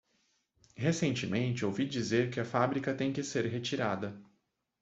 Recentemente ouvi dizer que a fábrica tem que ser retirada.